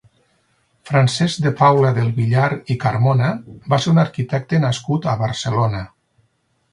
Francesc de Paula del Villar i Carmona va ser un arquitecte nascut a Barcelona.